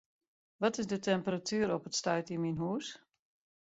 Wat is de temperatuer op it stuit yn myn hûs?